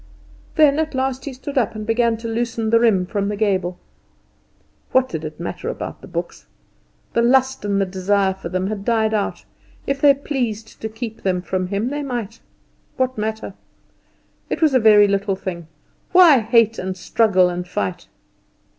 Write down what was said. Then at last he stood up, and began to loosen the riem from the gable. What did it matter about the books? The lust and the desire for them had died out. If they pleased to keep them from him they might. What matter? it was a very little thing. Why hate, and struggle, and fight?